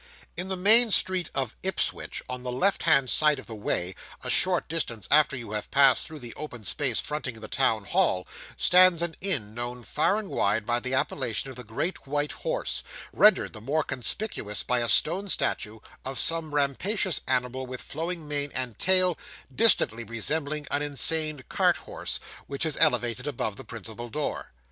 In the main street of Ipswich, on the left hand side of the way, a short distance after you have passed through the open space fronting the Town Hall, stands an inn known far and wide by the appellation of the Great White Horse, rendered the more conspicuous by a stone statue of some rampacious animal with flowing mane and tail, distantly resembling an insane cart horse, which is elevated above the principal door.